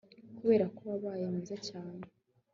kuberako wabaye mwiza cyane